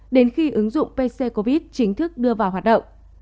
đến khi ứng dụng pc covid chính thức đưa vào hoạt động